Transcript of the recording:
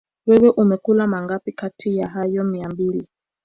Wewe umekula mangapi kati ya hayo mia mbili